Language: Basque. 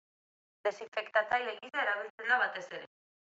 Desinfektatzaile gisa erabiltzen da batez ere.